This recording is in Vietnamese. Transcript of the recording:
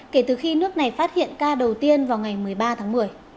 kể từ khi nước này phát hiện ca đầu tiên vào ngày một mươi ba tháng một mươi